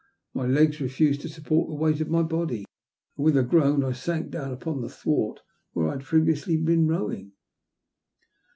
My legs refused to support the weight of my body, and with a groan I sank down on the thwart where I had previously been rowing.